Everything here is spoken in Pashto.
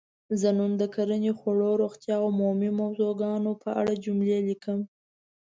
زه نن د کرنې ؛ خوړو؛ روغتیااو عمومي موضوع ګانو په اړه جملې لیکم.